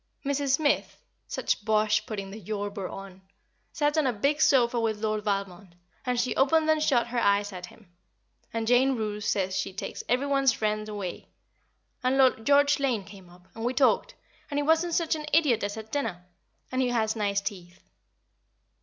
Mrs. Smith (such bosh putting "de Yorburgh" on!) sat on a big sofa with Lord Valmond, and she opened and shut her eyes at him, and Jane Roose says she takes every one's friend away; and Lord George Lane came up, and we talked, and he wasn't such an idiot as at dinner, and he has nice teeth.